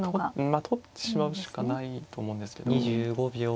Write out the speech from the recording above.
まあ取ってしまうしかないと思うんですけど。